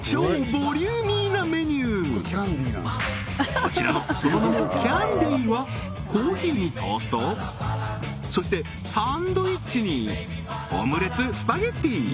こちらのその名もキャンディはコーヒーにトーストそしてサンドイッチにオムレツスパゲティ